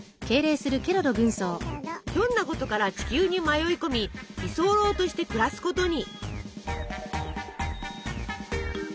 ひょんなことから地球に迷い込み居候として暮らすことに。